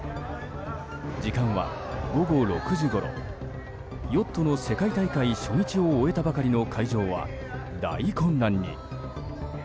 時間は午後６時ごろヨットの世界大会初日を終えたばかりの会場は大混乱に。